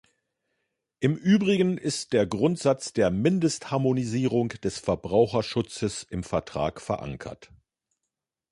Im Übrigen ist der Grundsatz der Mindestharmonisierung des Verbraucherschutzes im Vertrag verankert.